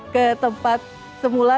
ke tempat semula